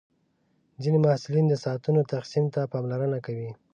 ځینې محصلین د ساعتونو تقسیم ته پاملرنه کوي.